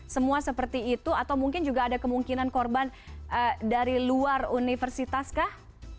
semua seperti itu atau mungkin juga ada kemungkinan korban dari luar universitas kah